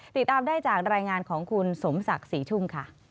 ติดตามได้จากรายงานของคุณสมศักดิ์ศรีชุ่มค่ะ